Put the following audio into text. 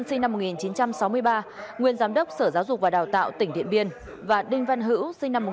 sinh năm một nghìn chín trăm sáu mươi ba nguyên giám đốc sở giáo dục và đào tạo tỉnh điện biên và đinh văn hữu sinh năm một nghìn chín trăm tám mươi